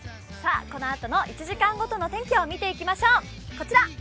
このあとの１時間ごとの天気を見ていきましょう。